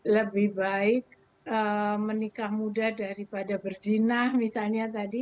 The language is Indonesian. lebih baik menikah muda daripada berzinah misalnya tadi